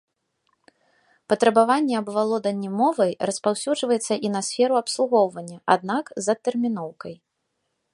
Патрабаванне аб валоданні мовай распаўсюджваецца і на сферу абслугоўвання, аднак з адтэрміноўкай.